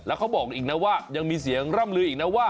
เขาบอกอีกนะว่ายังมีเสียงร่ำลืออีกนะว่า